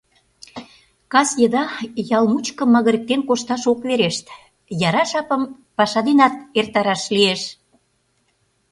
Кас еда ял мучко магырыктен кошташ ок верешт, яра жапым паша денат эртараш лиеш.